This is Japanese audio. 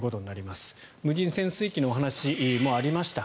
無人潜水機のお話もありました。